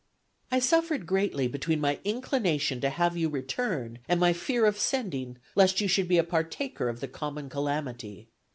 "I suffered greatly between my inclination to have you return, and my fear of sending lest you should be a partaker of the common calamity."